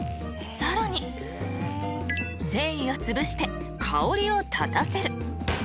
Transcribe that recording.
［さらに繊維をつぶして香りを立たせる］